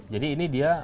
jadi ini dia